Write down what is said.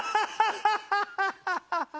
ハハハハハ！